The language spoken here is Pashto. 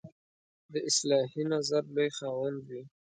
د اصلاحي نظر لوی خاوند وي.